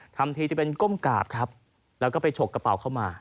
ทำทีจะเป็นก้มกราบครับแล้วก็ไปฉกกระเป๋าเข้ามา